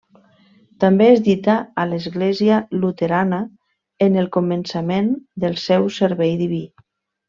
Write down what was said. També és dita a l'Església Luterana en el començament del seu servei diví.